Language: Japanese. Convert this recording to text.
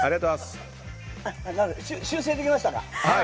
修正できましたか。